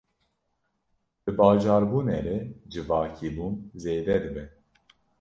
Bi bajarbûnê re civakîbûn zêde dibe.